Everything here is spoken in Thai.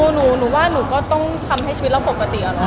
หนูว่าหนูก็ต้องทำให้ชีวิตเราปกติอะเนาะ